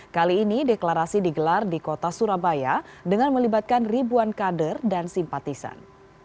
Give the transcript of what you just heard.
kali ini deklarasi digelar di kota surabaya dengan melibatkan ribuan kader dan simpatisan